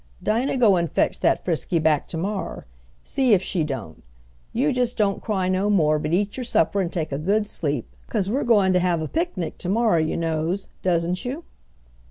"Dinah go and fetch dat Frisky back to morrer. See if she don't. You jest don't cry no more, but eat you supper and take a good sleep, 'cause we're goin' to have a picnic to morrer you knows, doesn't youse?"